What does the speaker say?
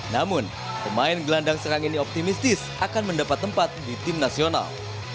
namun pemain gelandang serang ini optimistis akan mendapat tempat di tim nasional